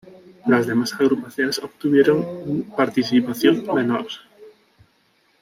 Las demás agrupaciones obtuvieron un participación menor.